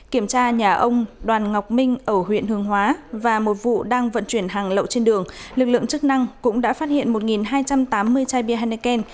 kiểm tra nhà ông đoàn ngọc minh ở huyện hương hóa và một vụ đang vận chuyển hàng lậu trên đường lực lượng chức năng cũng đã phát hiện một hai trăm tám mươi chai bia henneken